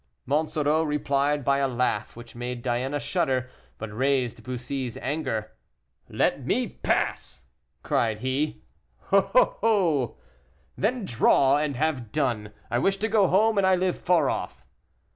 Monsoreau replied by a laugh which made Diana shudder, but raised Bussy's anger. "Let me pass!" cried he. "Oh, oh!" "Then, draw and have done; I wish to go home and I live far off."